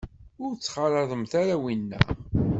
Ur ttxalaḍemt ara winna.